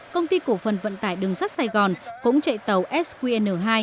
công ty cổ phần vận tải đường sắt sài gòn cũng chạy tàu sqn hai